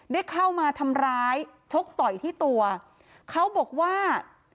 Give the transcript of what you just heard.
ได้เข้ามาทำร้ายชกต่อยที่ตัวเขาบอกว่า